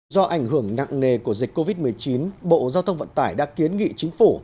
do ảnh hưởng nặng nề của dịch covid một mươi chín bộ giao thông vận tải đã kiến nghị chính phủ